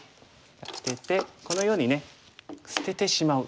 アテてこのようにね捨ててしまう。